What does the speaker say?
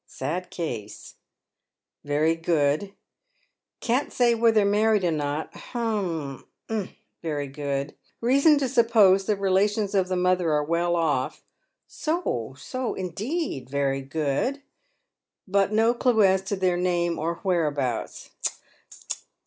sad case — very good — 'can't say whether married or not,' — hem — ah! very good —\ reason to suppose the relations of t the mother are well off,' — so — so, indeed — very good —' but no clue as to their name, or where abouts.'